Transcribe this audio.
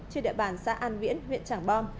trên địa bàn xã an viễn huyện trảng bom